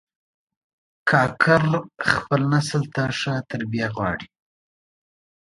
کاکړ خپل نسل ته ښه تربیه غواړي.